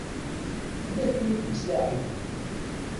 Tella tin i d-ittlaɛin.